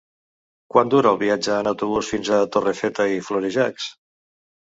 Quant dura el viatge en autobús fins a Torrefeta i Florejacs?